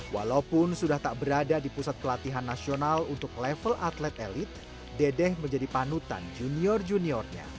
walaupun sudah tak berada di pusat pelatihan nasional untuk level atlet elit dedeh menjadi panutan junior juniornya